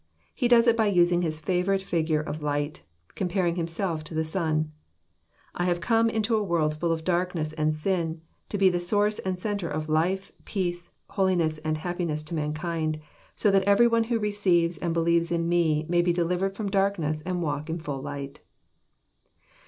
He does it by using His favourite figure of light, and comparing Himself to the sun. —'* I have come into a world full of darkness and sin, to be the source and centre of life, peace, holiness, happiness to mankind, so that every one who receives and believes in Me may be delivered from dark ness and walk in Aill light."